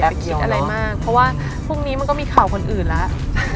เพราะว่าพรุ่งนี้มันก็มีข่าวคนอื่นแล้ว